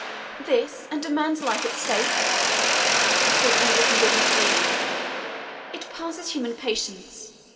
"This, and a man's life at stake!" said Edith indignantly; "it passes human patience.